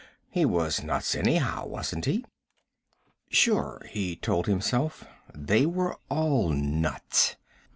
He was nuts anyhow, wasn't he? Sure, he told himself. They were all nuts.